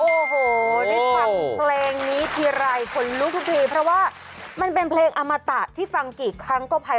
โอ้โหได้ฟังเพลงนี้ทีไรคนลุกทุกทีเพราะว่ามันเป็นเพลงอมตะที่ฟังกี่ครั้งก็ภัย